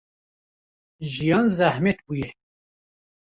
Jiyan zehmet bûye.